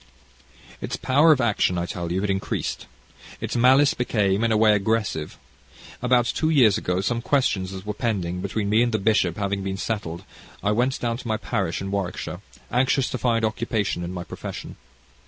"Its power of action, I tell you, had increased. Its malice became, in a way, aggressive. About two years ago, some questions that were pending between me and the bishop having been settled, I went down to my parish in Warwickshire, anxious to find occupation in my profession.